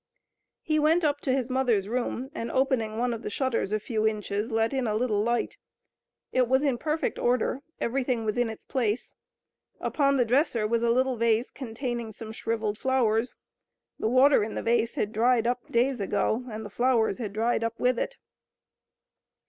He went up to his mother's room, and, opening one of the shutters a few inches, let in a little light. It was in perfect order. Everything was in its place. Upon the dresser was a little vase containing some shrivelled flowers. The water in the vase had dried up days ago, and the flowers had dried up with it.